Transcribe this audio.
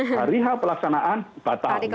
hari hapelaksanaan batal